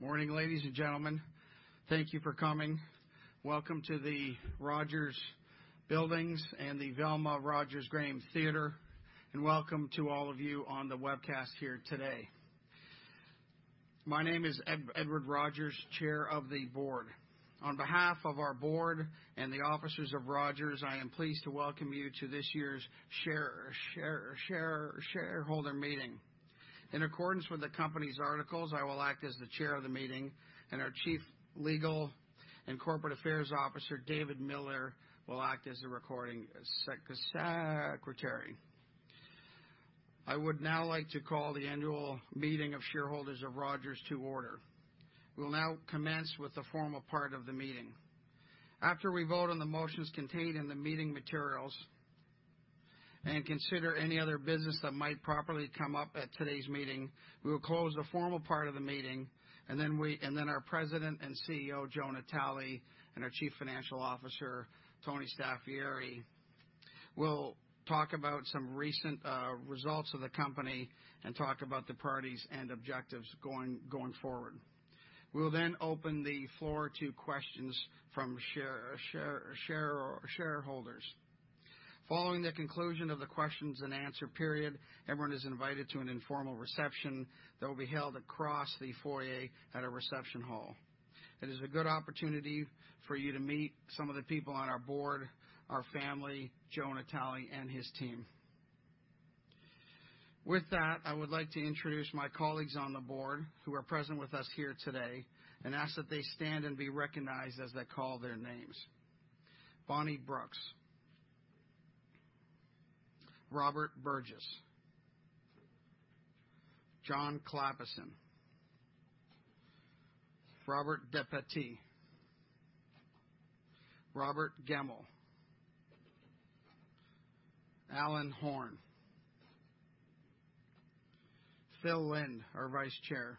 Morning, ladies and gentlemen. Thank you for coming. Welcome to the Rogers Buildings and the Velma Rogers Graham Theatre, and welcome to all of you on the webcast here today. My name is Edward Rogers, Chair of the Board. On behalf of our Board and the Officers of Rogers, I am pleased to welcome you to this year's shareholder meeting. In accordance with the company's articles, I will act as the Chair of the meeting, and our Chief Legal and Corporate Affairs Officer, David Miller, will act as the Recording Secretary. I would now like to call the annual meeting of shareholders of Rogers to order. We will now commence with the formal part of the meeting. After we vote on the motions contained in the meeting materials and consider any other business that might properly come up at today's meeting, we will close the formal part of the meeting, and then our President and CEO, Joe Natale, and our Chief Financial Officer, Tony Staffieri, will talk about some recent results of the company and talk about the parties' objectives going forward. We will then open the floor to questions from shareholders. Following the conclusion of the questions and answer period, everyone is invited to an informal reception that will be held across the foyer at a reception hall. It is a good opportunity for you to meet some of the people on our Board, our family, Joe Natale, and his team. With that, I would like to introduce my colleagues on the Board who are present with us here today and ask that they stand and be recognized as I call their names: Bonnie Brooks, Robert Burgess, John Clappison, Robert Dépatie, Robert Gemmell, Alan Horn, Phil Lind, our Vice Chair,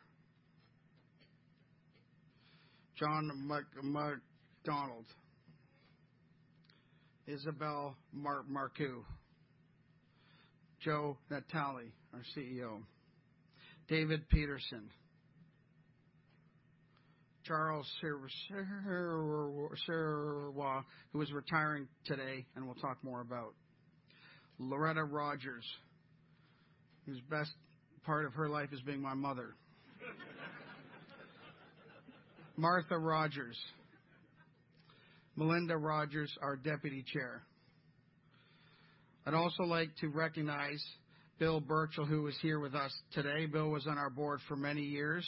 John MacDonald, Isabelle Marcoux, Joe Natale, our CEO, David Peterson, Charles Sirois, who is retiring today and will talk more about, Loretta Rogers, whose best part of her life is being my mother, Martha Rogers, Melinda Rogers, our Deputy Chair. I'd also like to recognize Bill Birchall, who is here with us today. Bill was on our Board for many years,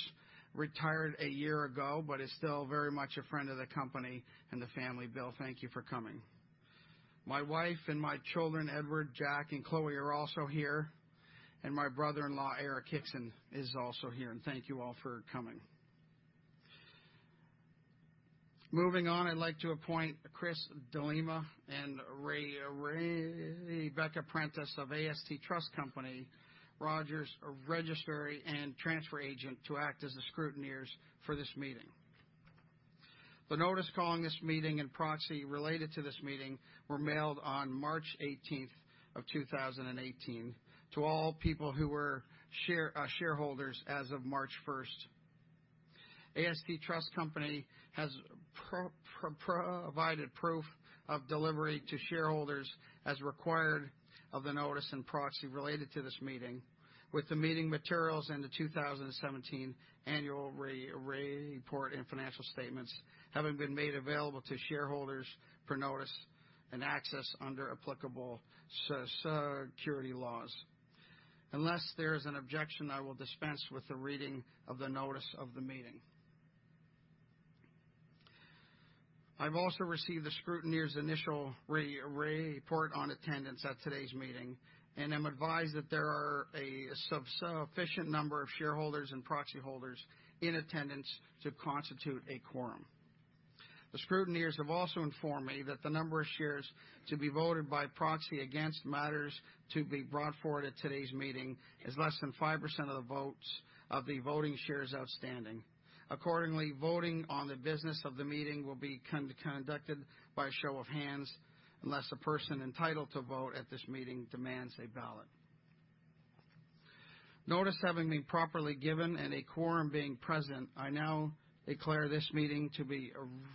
retired a year ago, but is still very much a friend of the company and the family. Bill, thank you for coming. My wife and my children, Edward, Jack, and Chloe, are also here, and my brother-in-law, Eric Hixon, is also here, and thank you all for coming. Moving on, I'd like to appoint Chris D'Lima and Rebecca Prentice of AST Trust Company, Rogers Registrar and Transfer Agent, to act as the scrutineers for this meeting. The notice calling this meeting and proxy related to this meeting were mailed on March 18th of 2018 to all people who were shareholders as of March 1st. AST Trust Company has provided proof of delivery to shareholders as required of the notice and proxy related to this meeting, with the meeting materials and the 2017 annual report and financial statements having been made available to shareholders per notice and access under applicable securities laws. Unless there is an objection, I will dispense with the reading of the notice of the meeting. I've also received the scrutineers' initial report on attendance at today's meeting and am advised that there are a sufficient number of shareholders and proxy holders in attendance to constitute a quorum. The scrutineers have also informed me that the number of shares to be voted by proxy against matters to be brought forward at today's meeting is less than 5% of the votes of the voting shares outstanding. Accordingly, voting on the business of the meeting will be conducted by a show of hands unless a person entitled to vote at this meeting demands a ballot. Notice having been properly given and a quorum being present, I now declare this meeting to be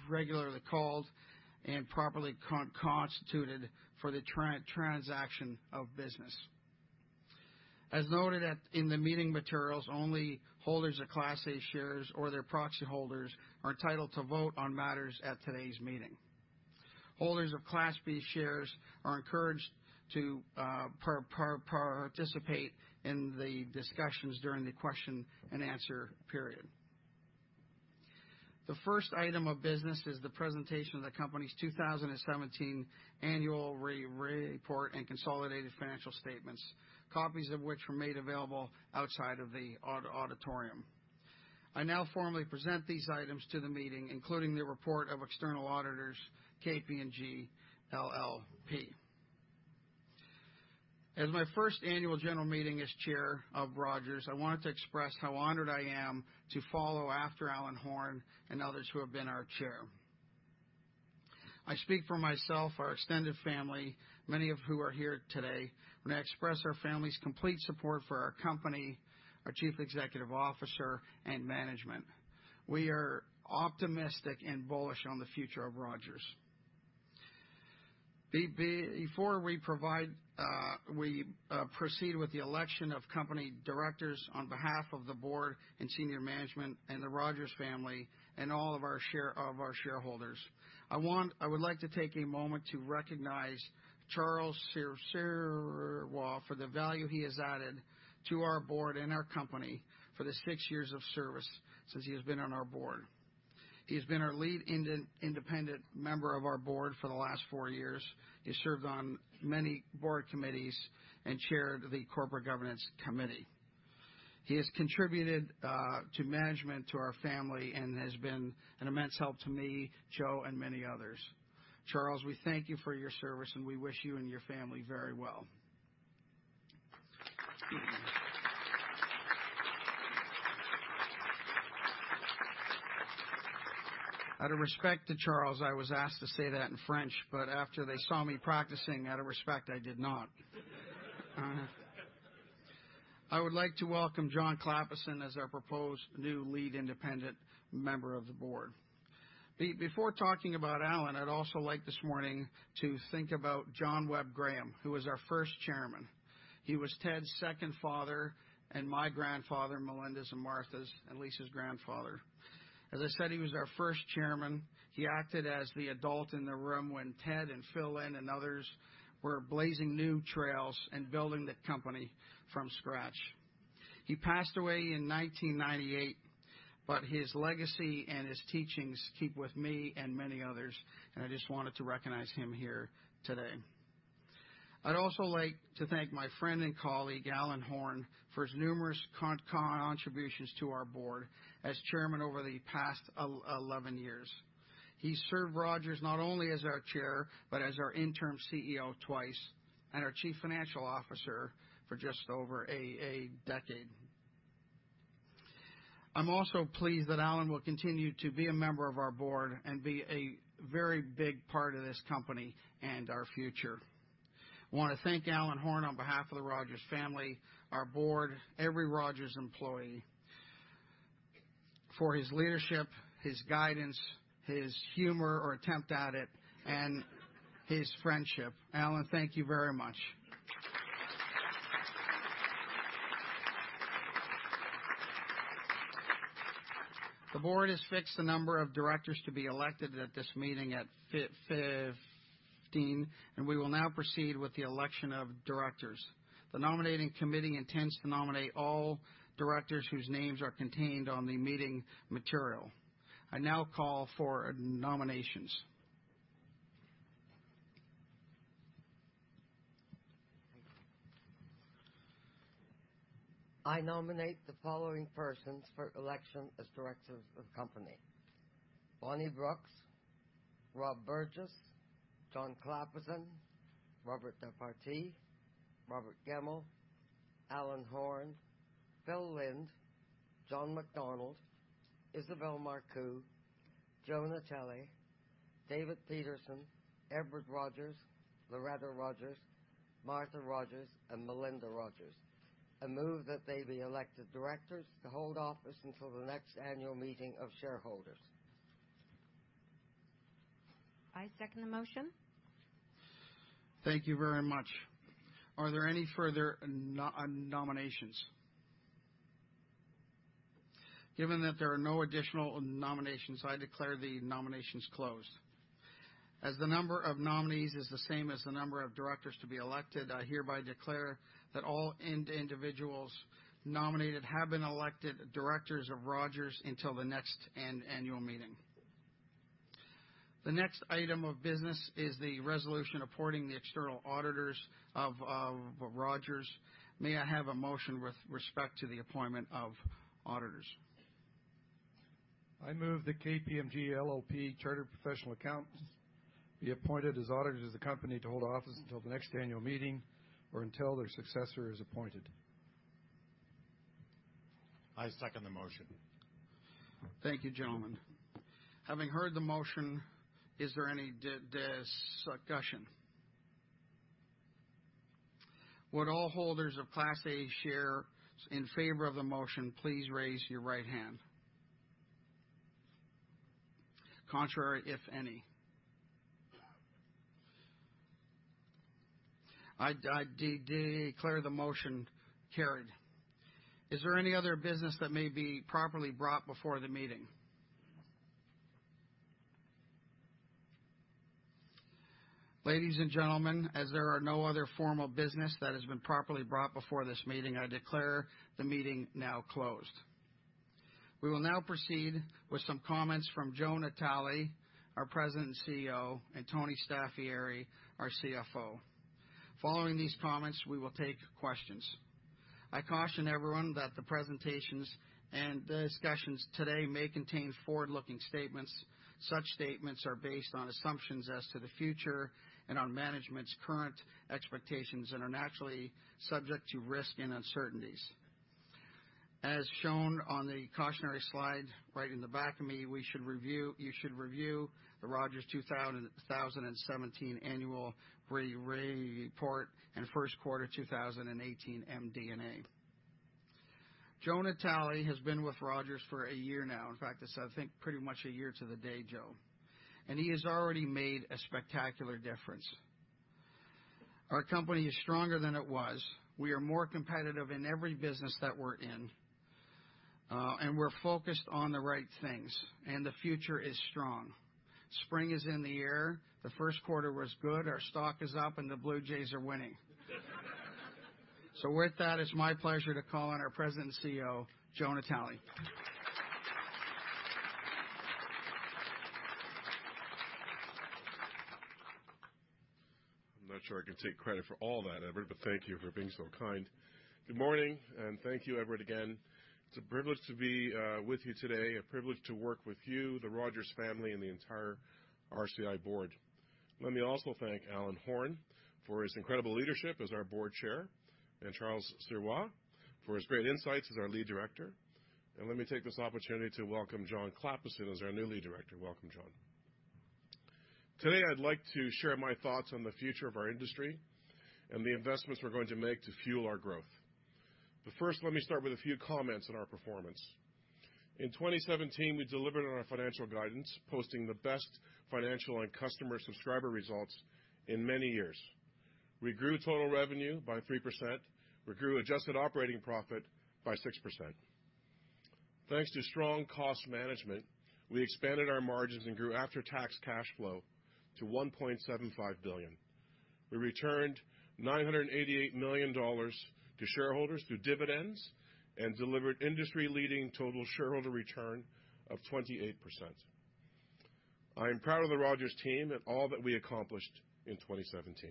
regularly called and properly constituted for the transaction of business. As noted in the meeting materials, only holders of Class A shares or their proxy holders are entitled to vote on matters at today's meeting. Holders of Class B shares are encouraged to participate in the discussions during the question and answer period. The first item of business is the presentation of the company's 2017 annual report and consolidated financial statements, copies of which were made available outside of the auditorium. I now formally present these items to the meeting, including the report of external auditors, KPMG LLP. As my first annual general meeting as Chair of Rogers, I wanted to express how honored I am to follow after Alan Horn and others who have been our Chair. I speak for myself, our extended family, many of whom are here today, and I express our family's complete support for our company, our Chief Executive Officer, and management. We are optimistic and bullish on the future of Rogers. Before we proceed with the election of company directors on behalf of the Board and senior management and the Rogers family and all of our shareholders, I would like to take a moment to recognize Charles Sirois for the value he has added to our Board and our company for the six years of service since he has been on our Board. He has been our lead independent member of our Board for the last four years. He served on many Board committees and chaired the Corporate Governance Committee. He has contributed to management, to our family, and has been an immense help to me, Joe, and many others. Charles, we thank you for your service, and we wish you and your family very well. Out of respect to Charles, I was asked to say that in French, but after they saw me practicing, out of respect, I did not. I would like to welcome John Clappison as our proposed new lead independent member of the Board. Before talking about Alan, I'd also like this morning to think about John Webb Graham, who was our first Chairman. He was Ted's second father and my grandfather, Melinda's and Martha's, and Lisa's grandfather. As I said, he was our first Chairman. He acted as the adult in the room when Ted and Phil and others were blazing new trails and building the company from scratch. He passed away in 1998, but his legacy and his teachings keep with me and many others, and I just wanted to recognize him here today. I'd also like to thank my friend and colleague, Alan Horn, for his numerous contributions to our Board as Chairman over the past 11 years. He served Rogers not only as our Chair, but as our interim CEO twice and our Chief Financial Officer for just over a decade. I'm also pleased that Alan will continue to be a member of our Board and be a very big part of this company and our future. I want to thank Alan Horn on behalf of the Rogers family, our Board, every Rogers employee for his leadership, his guidance, his humor or attempt at it, and his friendship. Alan, thank you very much. The Board has fixed the number of directors to be elected at this meeting at 15, and we will now proceed with the election of directors. The Nominating Committee intends to nominate all directors whose names are contained on the meeting material. I now call for nominations. I nominate the following persons for election as directors of the company: Bonnie Brooks, Rob Burgess, John Clappison, Robert Dépatie, Robert Gemmell, Alan Horn, Phil Lind, John MacDonald, Isabelle Marcoux, Joe Natale, David Peterson, Edward Rogers, Loretta Rogers, Martha Rogers, and Melinda Rogers. I move that they be elected directors to hold office until the next annual meeting of shareholders. I second the motion. Thank you very much. Are there any further nominations? Given that there are no additional nominations, I declare the nominations closed. As the number of nominees is the same as the number of directors to be elected, I hereby declare that all individuals nominated have been elected directors of Rogers until the next annual meeting. The next item of business is the resolution appointing the external auditors of Rogers. May I have a motion with respect to the appointment of auditors? I move the KPMG LLP Chartered Professional Accountants be appointed as auditors of the company to hold office until the next annual meeting or until their successor is appointed. I second the motion. Thank you, gentlemen. Having heard the motion, is there any discussion? Would all holders of Class A share in favor of the motion, please raise your right hand. Contrary, if any. I declare the motion carried. Is there any other business that may be properly brought before the meeting? Ladies and gentlemen, as there are no other formal business that has been properly brought before this meeting, I declare the meeting now closed. We will now proceed with some comments from Joe Natale, our President and CEO, and Tony Staffieri, our CFO. Following these comments, we will take questions. I caution everyone that the presentations and discussions today may contain forward-looking statements. Such statements are based on assumptions as to the future and on management's current expectations and are naturally subject to risk and uncertainties. As shown on the cautionary slide right in the back of me, you should review the Rogers 2017 annual report and first quarter 2018 MD&A. Joe Natale has been with Rogers for a year now. In fact, it's, I think, pretty much a year to the day, Joe, and he has already made a spectacular difference. Our company is stronger than it was. We are more competitive in every business that we're in, and we're focused on the right things, and the future is strong. Spring is in the air. The first quarter was good. Our stock is up, and the Blue Jays are winning. So with that, it's my pleasure to call on our President and CEO, Joe Natale. I'm not sure I can take credit for all that, Edward, but thank you for being so kind. Good morning, and thank you, Edward, again. It's a privilege to be with you today, a privilege to work with you, the Rogers family, and the entire RCI Board. Let me also thank Alan Horn for his incredible leadership as our Board Chair and Charles Sirois for his great insights as our lead director. Let me take this opportunity to welcome John Clappison as our new lead director. Welcome, John. Today, I'd like to share my thoughts on the future of our industry and the investments we're going to make to fuel our growth. First, let me start with a few comments on our performance. In 2017, we delivered on our financial guidance, posting the best financial and customer subscriber results in many years. We grew total revenue by 3%. We grew adjusted operating profit by 6%. Thanks to strong cost management, we expanded our margins and grew after-tax cash flow to 1.75 billion. We returned 988 million dollars to shareholders through dividends and delivered industry-leading total shareholder return of 28%. I am proud of the Rogers team and all that we accomplished in 2017.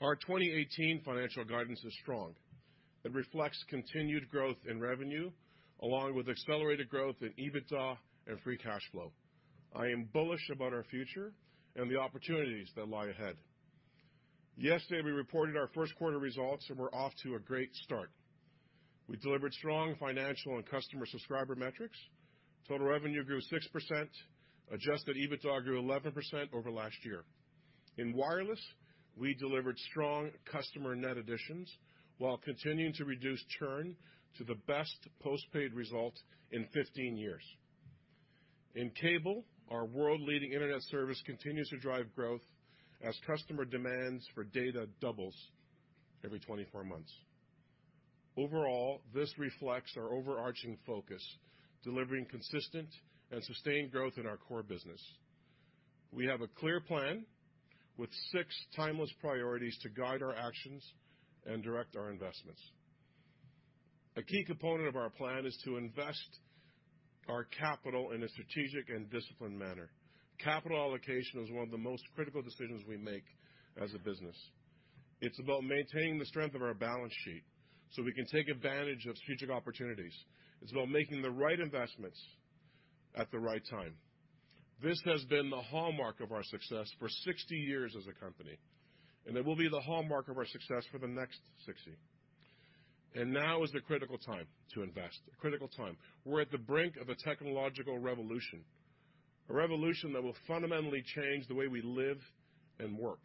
Our 2018 financial guidance is strong. It reflects continued growth in revenue along with accelerated growth in EBITDA and free cash flow. I am bullish about our future and the opportunities that lie ahead. Yesterday, we reported our first quarter results, and we're off to a great start. We delivered strong financial and customer subscriber metrics. Total revenue grew 6%. Adjusted EBITDA grew 11% over last year. In wireless, we delivered strong customer net additions while continuing to reduce churn to the best postpaid result in 15 years. In cable, our world-leading internet service continues to drive growth as customer demands for data doubles every 24 months. Overall, this reflects our overarching focus, delivering consistent and sustained growth in our core business. We have a clear plan with six timeless priorities to guide our actions and direct our investments. A key component of our plan is to invest our capital in a strategic and disciplined manner. Capital allocation is one of the most critical decisions we make as a business. It's about maintaining the strength of our balance sheet so we can take advantage of strategic opportunities. It's about making the right investments at the right time. This has been the hallmark of our success for 60 years as a company, and it will be the hallmark of our success for the next 60, and now is a critical time to invest, a critical time. We're at the brink of a technological revolution, a revolution that will fundamentally change the way we live and work,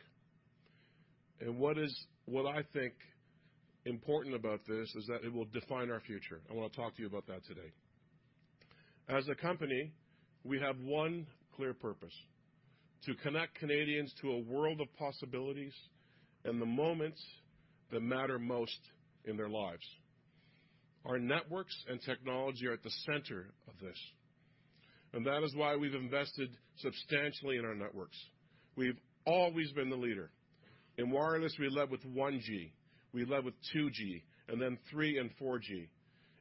and what I think is important about this is that it will define our future. I want to talk to you about that today. As a company, we have one clear purpose: to connect Canadians to a world of possibilities and the moments that matter most in their lives. Our networks and technology are at the center of this, and that is why we've invested substantially in our networks. We've always been the leader. In wireless, we led with 1G. We led with 2G, and then 3 and 4G.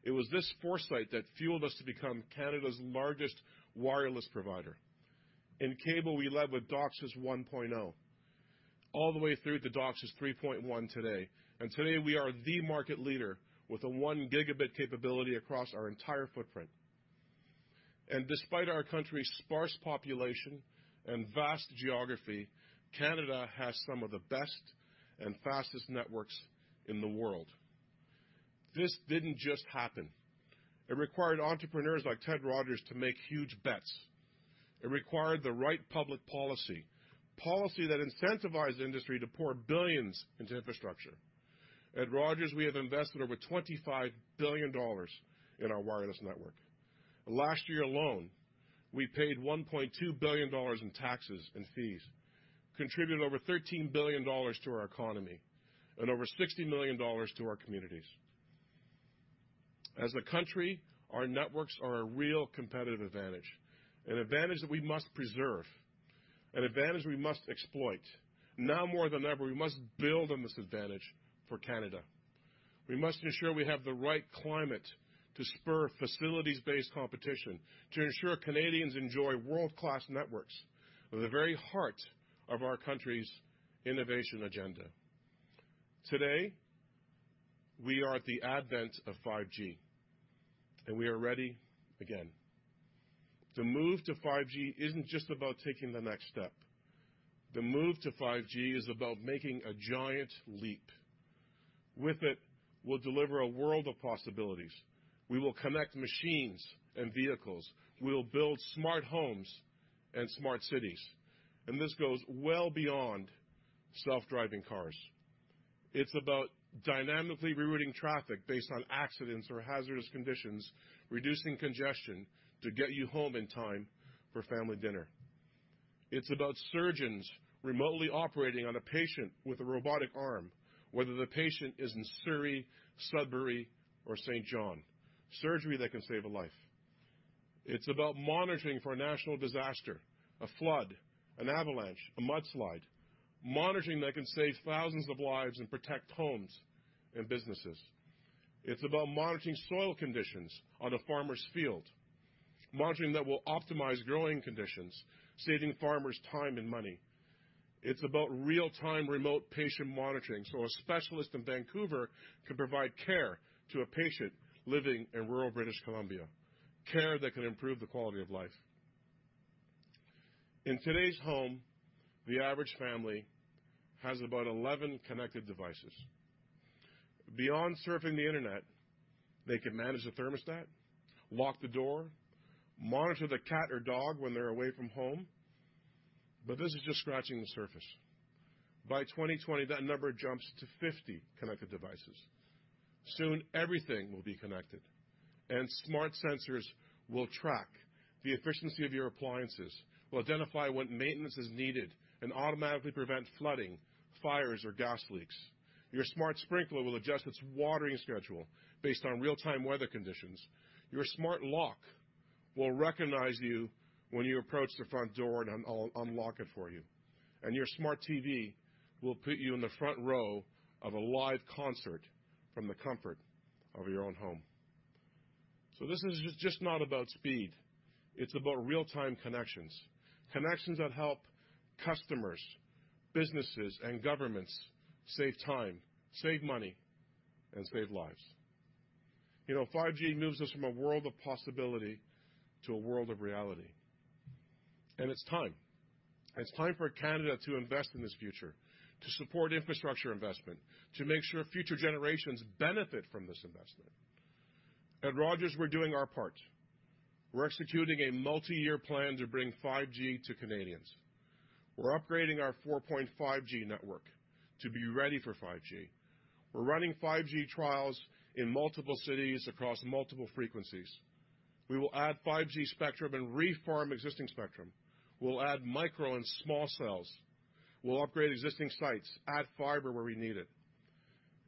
It was this foresight that fueled us to become Canada's largest wireless provider. In cable, we led with DOCSIS 1.0, all the way through to DOCSIS 3.1 today. And today, we are the market leader with a one gigabit capability across our entire footprint. And despite our country's sparse population and vast geography, Canada has some of the best and fastest networks in the world. This didn't just happen. It required entrepreneurs like Ted Rogers to make huge bets. It required the right public policy, policy that incentivized the industry to pour billions into infrastructure. At Rogers, we have invested over 25 billion dollars in our wireless network. Last year alone, we paid 1.2 billion dollars in taxes and fees, contributed over 13 billion dollars to our economy, and over 60 million dollars to our communities. As a country, our networks are a real competitive advantage, an advantage that we must preserve, an advantage we must exploit. Now more than ever, we must build on this advantage for Canada. We must ensure we have the right climate to spur facilities-based competition, to ensure Canadians enjoy world-class networks at the very heart of our country's innovation agenda. Today, we are at the advent of 5G, and we are ready again. The move to 5G isn't just about taking the next step. The move to 5G is about making a giant leap. With it, we'll deliver a world of possibilities. We will connect machines and vehicles. We'll build smart homes and smart cities. And this goes well beyond self-driving cars. It's about dynamically rerouting traffic based on accidents or hazardous conditions, reducing congestion to get you home in time for family dinner. It's about surgeons remotely operating on a patient with a robotic arm, whether the patient is in Surrey, Sudbury, or St. John's, surgery that can save a life. It's about monitoring for a national disaster, a flood, an avalanche, a mudslide, monitoring that can save thousands of lives and protect homes and businesses. It's about monitoring soil conditions on a farmer's field, monitoring that will optimize growing conditions, saving farmers time and money. It's about real-time remote patient monitoring so a specialist in Vancouver can provide care to a patient living in rural British Columbia, care that can improve the quality of life. In today's home, the average family has about 11 connected devices. Beyond surfing the internet, they can manage the thermostat, lock the door, monitor the cat or dog when they're away from home. But this is just scratching the surface. By 2020, that number jumps to 50 connected devices. Soon, everything will be connected, and smart sensors will track the efficiency of your appliances, will identify when maintenance is needed, and automatically prevent flooding, fires, or gas leaks. Your smart sprinkler will adjust its watering schedule based on real-time weather conditions. Your smart lock will recognize you when you approach the front door and unlock it for you. And your smart TV will put you in the front row of a live concert from the comfort of your own home. So this is just not about speed. It's about real-time connections, connections that help customers, businesses, and governments save time, save money, and save lives. You know, 5G moves us from a world of possibility to a world of reality. And it's time. It's time for Canada to invest in this future, to support infrastructure investment, to make sure future generations benefit from this investment. At Rogers, we're doing our part. We're executing a multi-year plan to bring 5G to Canadians. We're upgrading our 4.5G network to be ready for 5G. We're running 5G trials in multiple cities across multiple frequencies. We will add 5G spectrum and refarm existing spectrum. We'll add micro cells and small cells. We'll upgrade existing sites, add fibre where we need it.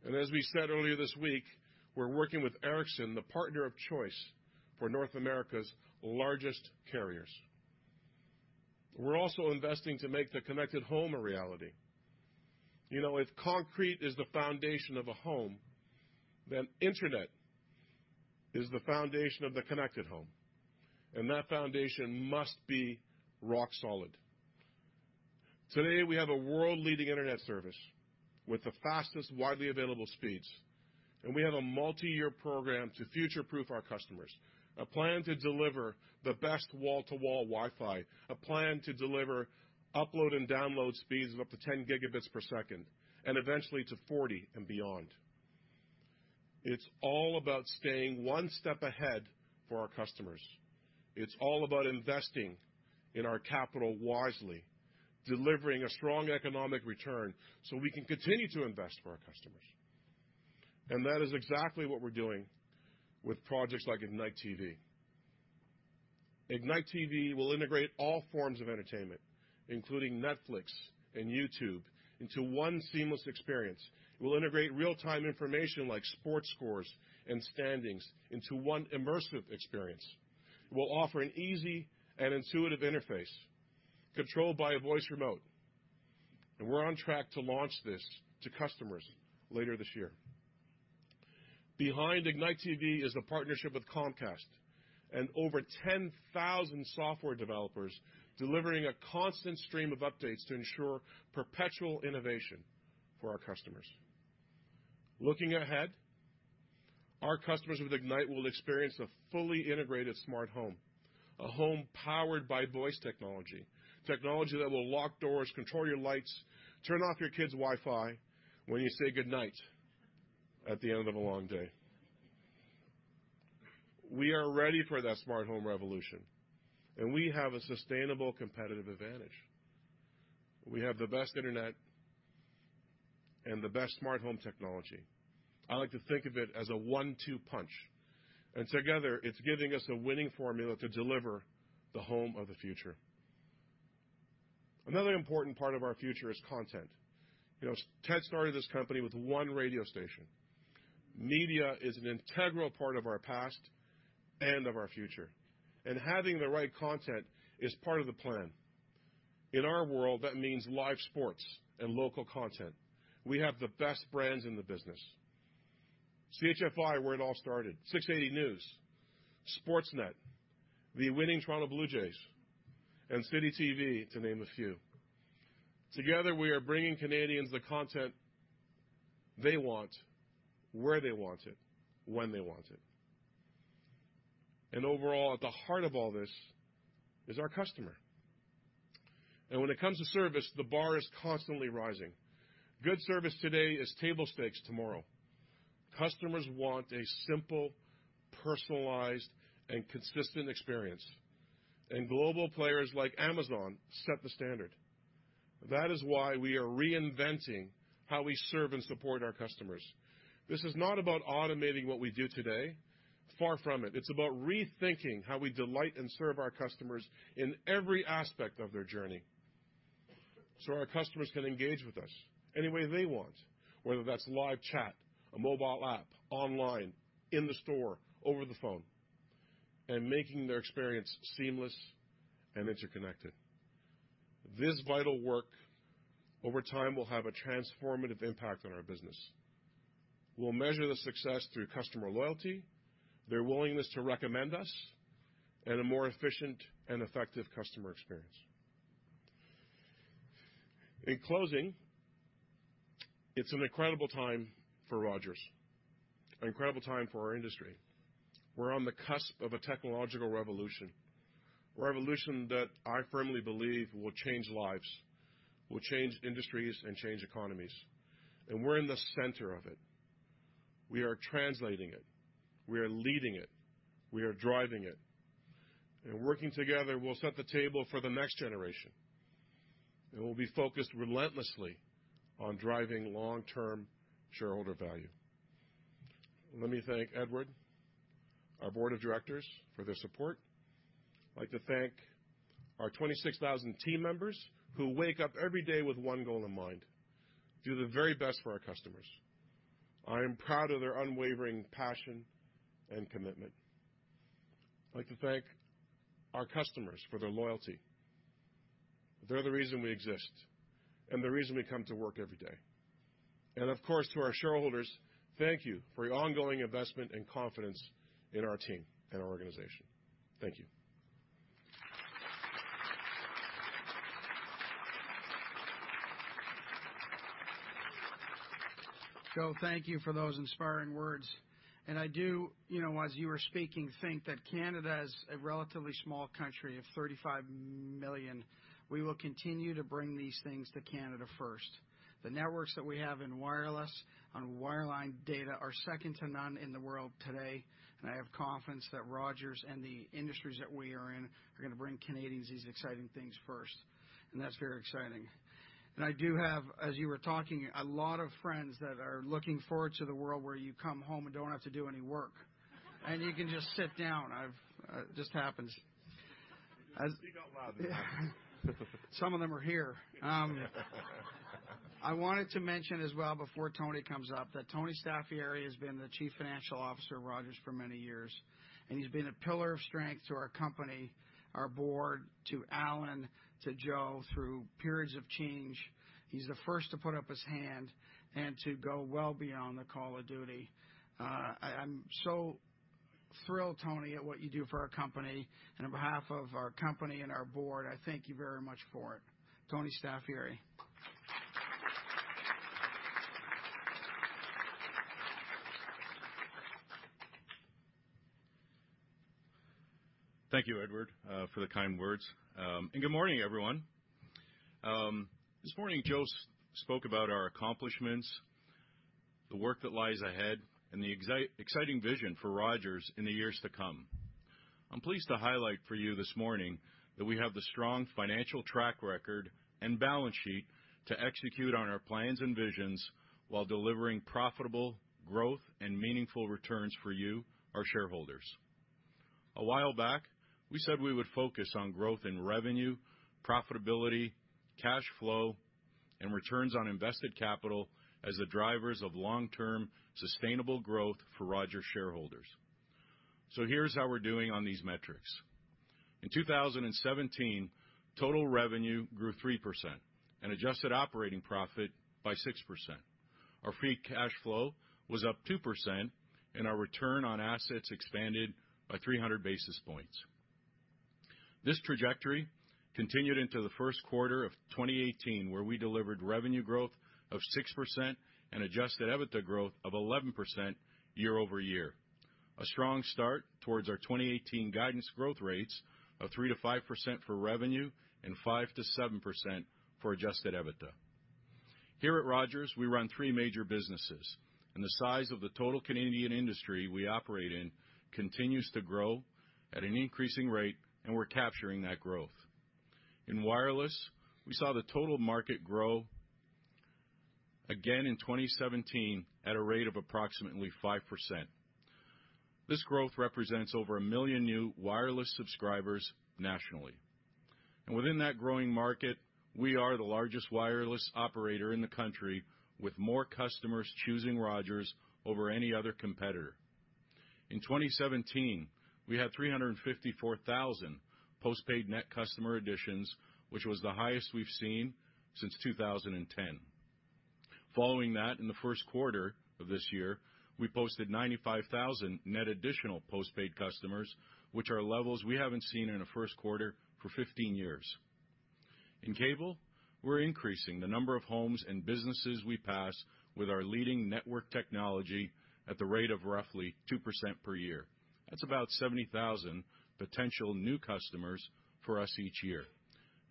And as we said earlier this week, we're working with Ericsson, the partner of choice for North America's largest carriers. We're also investing to make the connected home a reality. You know, if concrete is the foundation of a home, then internet is the foundation of the connected home. And that foundation must be rock solid. Today, we have a world-leading internet service with the fastest widely available speeds. And we have a multi-year program to future-proof our customers, a plan to deliver the best wall-to-wall Wi-Fi, a plan to deliver upload and download speeds of up to 10 gigabits per second, and eventually to 40 and beyond. It's all about staying one step ahead for our customers. It's all about investing in our capital wisely, delivering a strong economic return so we can continue to invest for our customers. And that is exactly what we're doing with projects like Ignite TV. Ignite TV will integrate all forms of entertainment, including Netflix and YouTube, into one seamless experience. It will integrate real-time information like sports scores and standings into one immersive experience. It will offer an easy and intuitive interface controlled by a voice remote. And we're on track to launch this to customers later this year. Behind Ignite TV is a partnership with Comcast and over 10,000 software developers delivering a constant stream of updates to ensure perpetual innovation for our customers. Looking ahead, our customers with Ignite will experience a fully integrated smart home, a home powered by voice technology, technology that will lock doors, control your lights, turn off your kid's Wi-Fi when you say good night at the end of a long day. We are ready for that smart home revolution, and we have a sustainable competitive advantage. We have the best internet and the best smart home technology. I like to think of it as a one-two punch, and together, it's giving us a winning formula to deliver the home of the future. Another important part of our future is content. You know, Ted started this company with one radio station. Media is an integral part of our past and of our future. And having the right content is part of the plan. In our world, that means live sports and local content. We have the best brands in the business. CHFI, where it all started, 680 News, Sportsnet, the winning Toronto Blue Jays, and Citytv, to name a few. Together, we are bringing Canadians the content they want where they want it, when they want it. And overall, at the heart of all this is our customer. And when it comes to service, the bar is constantly rising. Good service today is table stakes tomorrow. Customers want a simple, personalized, and consistent experience. And global players like Amazon set the standard. That is why we are reinventing how we serve and support our customers. This is not about automating what we do today. Far from it. It's about rethinking how we delight and serve our customers in every aspect of their journey so our customers can engage with us any way they want, whether that's live chat, a mobile app, online, in the store, over the phone, and making their experience seamless and interconnected. This vital work, over time, will have a transformative impact on our business. We'll measure the success through customer loyalty, their willingness to recommend us, and a more efficient and effective customer experience. In closing, it's an incredible time for Rogers, an incredible time for our industry. We're on the cusp of a technological revolution, a revolution that I firmly believe will change lives, will change industries, and change economies. And we're in the center of it. We are translating it. We are leading it. We are driving it. And working together, we'll set the table for the next generation. And we'll be focused relentlessly on driving long-term shareholder value. Let me thank Edward, our board of directors, for their support. I'd like to thank our 26,000 team members who wake up every day with one goal in mind: do the very best for our customers. I am proud of their unwavering passion and commitment. I'd like to thank our customers for their loyalty. They're the reason we exist and the reason we come to work every day. And of course, to our shareholders, thank you for your ongoing investment and confidence in our team and our organization. Thank you. Joe, thank you for those inspiring words. And I do, you know, as you were speaking, think that Canada is a relatively small country of 35 million. We will continue to bring these things to Canada first. The networks that we have in wireless and wireline data are second to none in the world today. And I have confidence that Rogers and the industries that we are in are going to bring Canadians these exciting things first. And that's very exciting. And I do have, as you were talking, a lot of friends that are looking forward to the world where you come home and don't have to do any work, and you can just sit down. It just happens. Speak out loud. Some of them are here. I wanted to mention as well, before Tony comes up, that Tony Staffieri has been the chief financial officer of Rogers for many years. And he's been a pillar of strength to our company, our board, to Alan, to Joe through periods of change. He's the first to put up his hand and to go well beyond the call of duty. I'm so thrilled, Tony, at what you do for our company, and on behalf of our company and our board, I thank you very much for it. Tony Staffieri. Thank you, Edward, for the kind words, and good morning, everyone. This morning, Joe spoke about our accomplishments, the work that lies ahead, and the exciting vision for Rogers in the years to come. I'm pleased to highlight for you this morning that we have the strong financial track record and balance sheet to execute on our plans and visions while delivering profitable growth and meaningful returns for you, our shareholders. A while back, we said we would focus on growth in revenue, profitability, cash flow, and returns on invested capital as the drivers of long-term sustainable growth for Rogers shareholders. Here's how we're doing on these metrics. In 2017, total revenue grew 3% and adjusted operating profit by 6%. Our free cash flow was up 2%, and our return on assets expanded by 300 basis points. This trajectory continued into the first quarter of 2018, where we delivered revenue growth of 6% and adjusted EBITDA growth of 11% year over year, a strong start towards our 2018 guidance growth rates of 3% to 5% for revenue and 5% to 7% for adjusted EBITDA. Here at Rogers, we run three major businesses. The size of the total Canadian industry we operate in continues to grow at an increasing rate, and we're capturing that growth. In wireless, we saw the total market grow again in 2017 at a rate of approximately 5%. This growth represents over a million new wireless subscribers nationally. Within that growing market, we are the largest wireless operator in the country, with more customers choosing Rogers over any other competitor. In 2017, we had 354,000 postpaid net customer additions, which was the highest we've seen since 2010. Following that, in the first quarter of this year, we posted 95,000 net additional postpaid customers, which are levels we haven't seen in a first quarter for 15 years. In cable, we're increasing the number of homes and businesses we pass with our leading network technology at the rate of roughly 2% per year. That's about 70,000 potential new customers for us each year.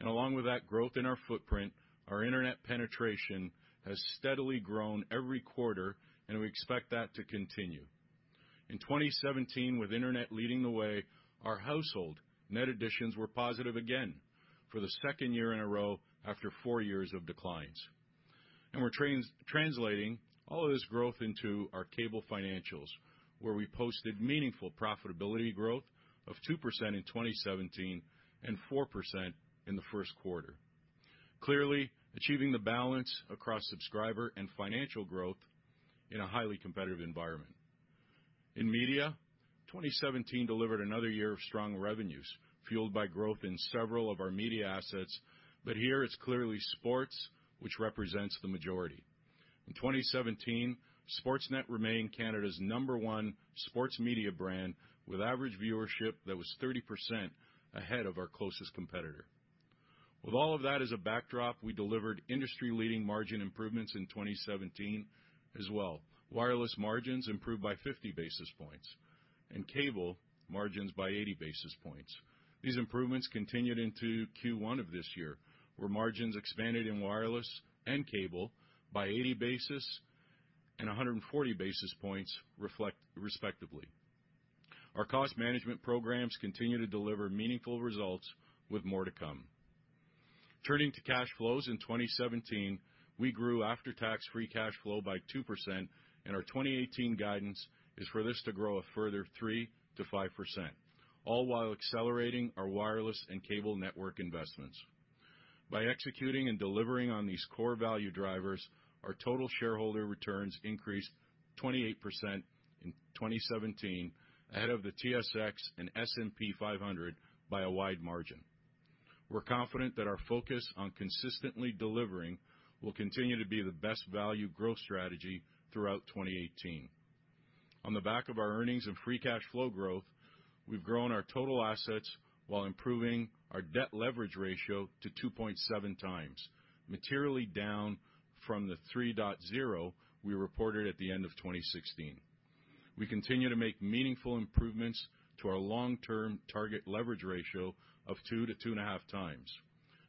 Along with that growth in our footprint, our internet penetration has steadily grown every quarter, and we expect that to continue. In 2017, with internet leading the way, our household net additions were positive again for the second year in a row after four years of declines, and we're translating all of this growth into our cable financials, where we posted meaningful profitability growth of 2% in 2017 and 4% in the first quarter, clearly achieving the balance across subscriber and financial growth in a highly competitive environment. In media, 2017 delivered another year of strong revenues fueled by growth in several of our media assets, but here, it's clearly sports, which represents the majority. In 2017, Sportsnet remained Canada's number one sports media brand, with average viewership that was 30% ahead of our closest competitor. With all of that as a backdrop, we delivered industry-leading margin improvements in 2017 as well. Wireless margins improved by 50 basis points, and cable margins by 80 basis points. These improvements continued into Q1 of this year, where margins expanded in wireless and cable by 80 basis points and 140 basis points respectively. Our cost management programs continue to deliver meaningful results with more to come. Turning to cash flows in 2017, we grew after-tax free cash flow by 2%, and our 2018 guidance is for this to grow a further 3% to 5%, all while accelerating our wireless and cable network investments. By executing and delivering on these core value drivers, our total shareholder returns increased 28% in 2017 ahead of the TSX and S&P 500 by a wide margin. We're confident that our focus on consistently delivering will continue to be the best value growth strategy throughout 2018. On the back of our earnings and free cash flow growth, we've grown our total assets while improving our debt leverage ratio to 2.7 times, materially down from the 3.0 we reported at the end of 2016. We continue to make meaningful improvements to our long-term target leverage ratio of 2 to 2.5x.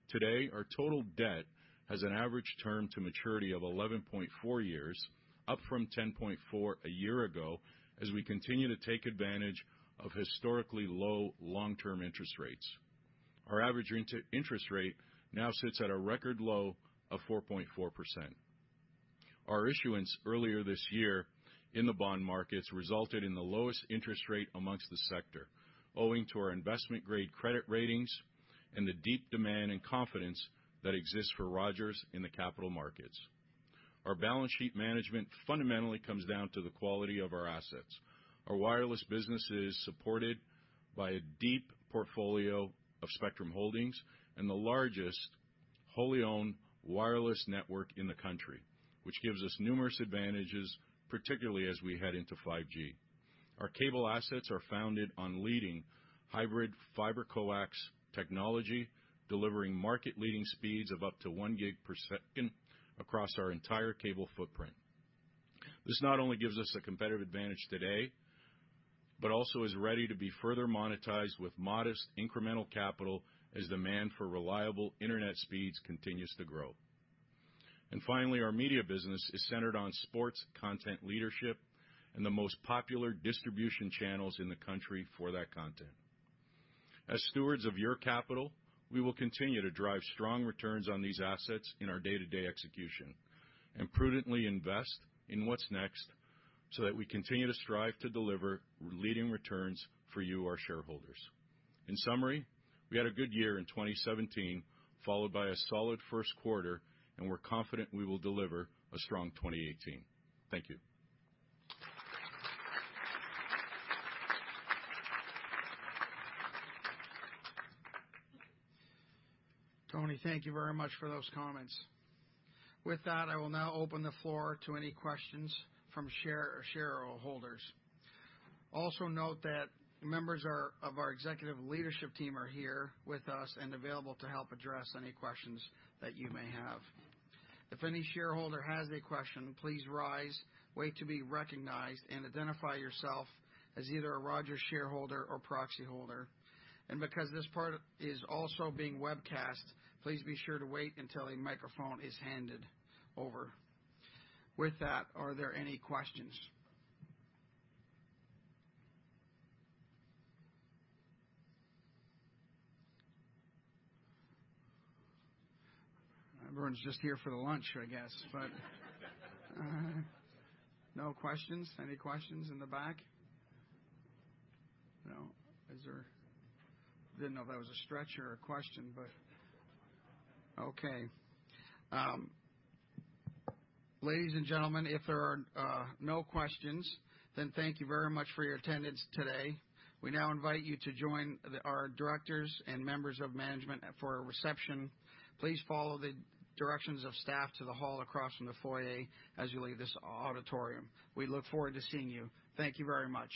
Today, our total debt has an average term to maturity of 11.4 years, up from 10.4 a year ago as we continue to take advantage of historically low long-term interest rates. Our average interest rate now sits at a record low of 4.4%. Our issuance earlier this year in the bond markets resulted in the lowest interest rate amongst the sector, owing to our investment-grade credit ratings and the deep demand and confidence that exists for Rogers in the capital markets. Our balance sheet management fundamentally comes down to the quality of our assets. Our wireless business is supported by a deep portfolio of spectrum holdings and the largest wholly-owned wireless network in the country, which gives us numerous advantages, particularly as we head into 5G. Our cable assets are founded on leading hybrid fibre coax technology, delivering market-leading speeds of up to one gig per second across our entire cable footprint. This not only gives us a competitive advantage today, but also is ready to be further monetized with modest incremental capital as demand for reliable internet speeds continues to grow. And finally, our media business is centered on sports content leadership and the most popular distribution channels in the country for that content. As stewards of your capital, we will continue to drive strong returns on these assets in our day-to-day execution and prudently invest in what's next so that we continue to strive to deliver leading returns for you, our shareholders. In summary, we had a good year in 2017, followed by a solid first quarter, and we're confident we will deliver a strong 2018. Thank you. Tony, thank you very much for those comments. With that, I will now open the floor to any questions from shareholders. Also note that members of our executive leadership team are here with us and available to help address any questions that you may have. If any shareholder has a question, please rise, wait to be recognized, and identify yourself as either a Rogers shareholder or proxy holder. And because this part is also being webcast, please be sure to wait until a microphone is handed over. With that, are there any questions? Everyone's just here for the lunch, I guess, but no questions? Any questions in the back? No? Didn't know if that was a stretch or a question, but okay. Ladies and gentlemen, if there are no questions, then thank you very much for your attendance today. We now invite you to join our directors and members of management for a reception. Please follow the directions of staff to the hall across from the foyer as you leave this auditorium. We look forward to seeing you. Thank you very much.